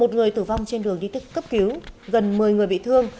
một người tử vong trên đường đi cấp cứu gần một mươi người bị thương